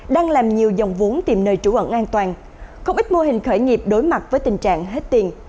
đang làm nhiều dòng vốn tìm nơi trú ẩn an toàn không ít mô hình khởi nghiệp đối mặt với tình trạng hết tiền